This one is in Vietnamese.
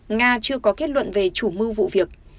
nga chưa có kết luận về chủ mưu vụ việc